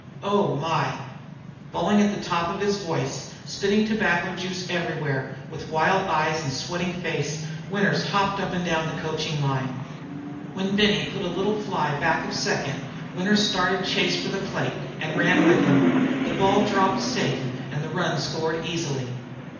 Oh my " Bawling at the top of his voice, spitting tobacco juice everywhere, with wild eyes and sweaty face, Winters hopped up and down the coaching line. When Benny put up a little fly back of second Winters started Chase for the plate and ran with him. The ball dropped safe and the run scored easily.